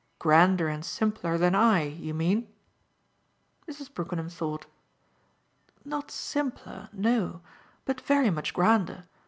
"Grander and simpler than I, you mean?" Mrs. Brookenham thought. "Not simpler no; but very much grander.